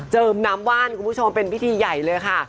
น้ำว่านคุณผู้ชมเป็นพิธีใหญ่เลยค่ะ